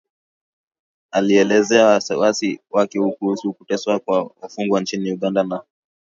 alielezea wasiwasi wake kuhusu kuteswa kwa wafungwa nchini Uganda na